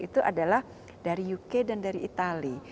itu adalah dari uk dan dari itali